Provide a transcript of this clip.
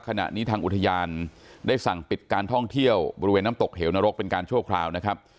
ขณะนี้ทางอุทยานได้สั่งปิดการท่องเที่ยวบริเวณน้ำตกเหวนรกเป็นการชั่วคราวนะครับ